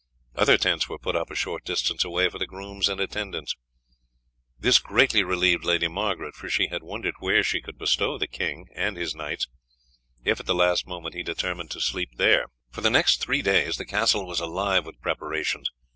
Other tents were put up a short distance away for the grooms and attendants. This greatly relieved Lady Margaret, for she had wondered where she could bestow the king and his knights if, at the last moment, he determined to sleep there. For the next three days the castle was alive with preparations.